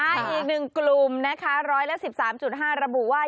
อีก๑กลุ่มนะคะ๑๑๓๕ระบุว่า